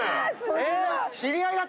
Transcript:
えっ！